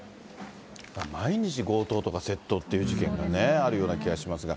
毎日強盗とか、窃盗っていう事件があるような気がしますが。